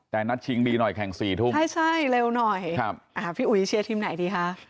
แต่นัดชิงดีหน่อยแข่ง๔ทุ่มใช่เร็วหน่อยพี่อุ๋ยเชียร์ทีมไหนดีคะ